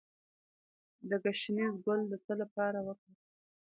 د ګشنیز ګل د څه لپاره وکاروم؟